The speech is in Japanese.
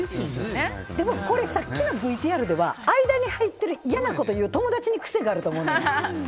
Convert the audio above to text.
でもこれさっきのＶＴＲでは間に入ってる嫌なこと言う友達に癖があると思うのよ。